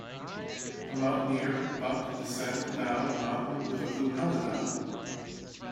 A mountaineer about to descend down a mountain with a blue helmet on.